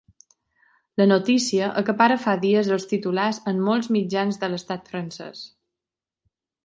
La notícia acapara fa dies els titulars en molts mitjans de l’estat francès.